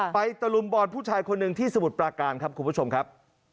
ตะลุมบอลผู้ชายคนหนึ่งที่สมุทรปราการครับคุณผู้ชมครับ